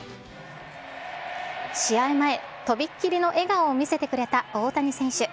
試合前、飛びっ切りの笑顔を見せてくれた大谷選手。